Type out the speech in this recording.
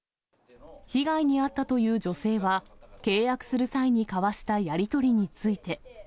被害に遭ったという女性は、契約する際に交わしたやり取りについて。